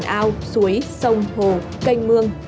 trong suối sông hồ canh mương